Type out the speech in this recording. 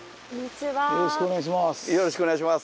よろしくお願いします。